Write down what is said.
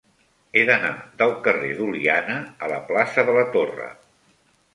He d'anar del carrer d'Oliana a la plaça de la Torre.